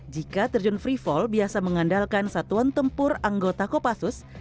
jika terjun free fall biasa mengandalkan satuan tempur anggota kopassus